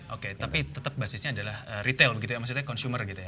oke tapi tetap basisnya adalah retail begitu ya maksudnya consumer gitu ya